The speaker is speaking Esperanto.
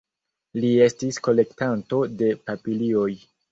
Li estis kolektanto de papilioj.